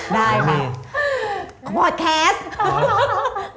ได้ค่ะบอร์ดแคสต์